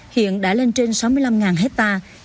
hiện đã lên trên sáu mươi năm hectare